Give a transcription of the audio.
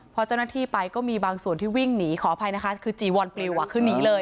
พอเจ้าหน้าที่ไปก็มีบางส่วนที่วิ่งหนีขออภัยนะคะคือจีวอนปลิวคือหนีเลย